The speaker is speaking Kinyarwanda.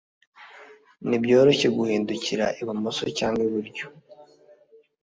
Nibyoroshye guhindukira ibumoso cyangwa iburyo